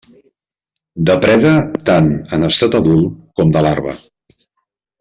Depreda tant en estat adult com de larva.